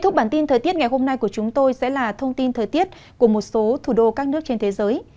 bản tin thời tiết ngày hôm nay của chúng tôi sẽ là thông tin thời tiết của một số thủ đô các nước trên thế giới